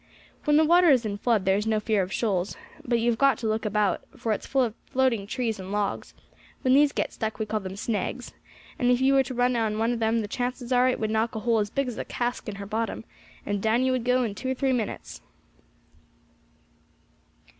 When the water is in flood there is no fear of shoals, but you have got to look about, for it is full of floating trees and logs; when these get stuck we call them snags, and if you were to run on one of them the chances are it would knock a hole as big as a cask in her bottom, and down you would go in two or three minutes."